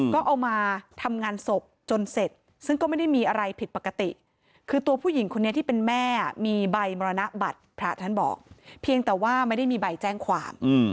ก็เอามาทำงานศพจนเสร็จซึ่งก็ไม่ได้มีอะไรผิดปกติคือตัวผู้หญิงคนนี้ที่เป็นแม่มีใบมรณบัตรพระท่านบอกเพียงแต่ว่าไม่ได้มีใบแจ้งความ